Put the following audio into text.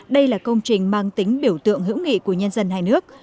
đây là công trình mang tính biểu tượng hữu nghị của nhân dân hai nước